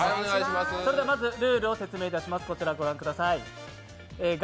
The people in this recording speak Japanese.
まず、ルールを説明いたします。